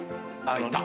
いった！